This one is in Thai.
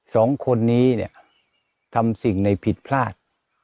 สองคนนี้เนี่ยทำสิ่งในผิดพลาด